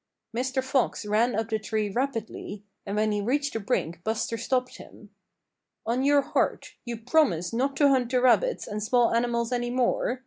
Mr. Fox ran up the tree rapidly, and when he reached the brink Buster stopped him. "On your heart you promise not to hunt the rabbits and small animals any more?"